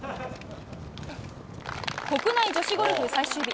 国内女子ゴルフ最終日。